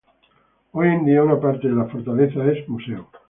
Hoy en día, una parte de la fortaleza es museo.